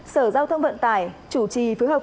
sở giao thông vận tải chủ trì phối hợp